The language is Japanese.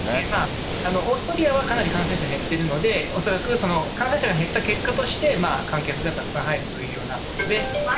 オーストリアは、かなり感染者減ってるので、恐らく感染者が減った結果として、観客がたくさん入るというようなことで。